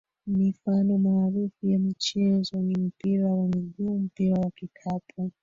Mifano maarufu ya michezo ni mpira wa miguu mpira wa kikapu